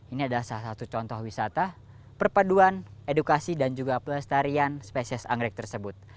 ini adalah salah satu contoh wisata perpaduan edukasi dan juga pelestarian spesies anggrek tersebut